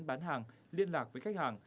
bán hàng liên lạc với khách hàng